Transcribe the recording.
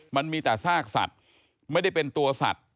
มันมีแต่ซากสัตว์ไม่ได้เป็นตัวสัตว์